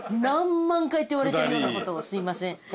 何万回と言われてるようなことをすいません。